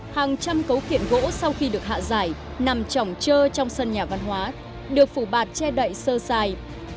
hàng trăm cấu kiện gỗ sau khi được hạ giải nằm trỏng trơ trong sân nhà văn hóa được phủ bạt che đậy sơ xài